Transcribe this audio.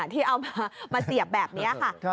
ที่เอามาเสียบแบบนี้ค่ะ